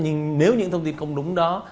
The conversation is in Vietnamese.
nhưng nếu những thông tin không đúng đó